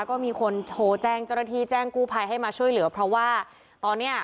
ก็มีคนโทรแจ้งเจ้าหน้าที่แจ้งกู้ภัยให้มาช่วยเหลือเพราะว่าตอนเนี้ย